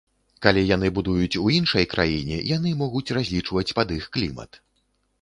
Калі яны будуюць у іншай краіне, яны могуць разлічваць пад іх клімат.